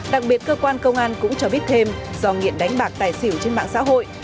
đặc biệt cơ quan công an cũng cho biết thêm do nghiện đánh bạc tài xỉu trên mạng xã hội